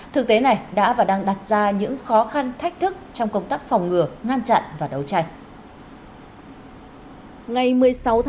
thực tế này đã và đang đặt ra những khó khăn thách thức trong công tác phòng ngừa ngăn chặn và đấu tranh